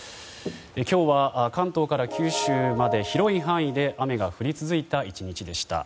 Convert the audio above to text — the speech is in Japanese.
今日は関東から九州まで広い範囲で雨が降り続いた１日でした。